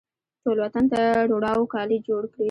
ټول وطن ته د روڼاوو کالي جوړکړي